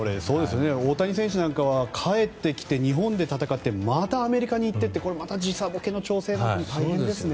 大谷選手なんかは帰ってきて日本で戦ってまたアメリカに行ってという時差ボケの調整も大変ですよね。